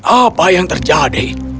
apa yang terjadi